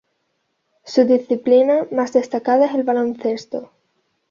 Su disciplina más destacada es el baloncesto.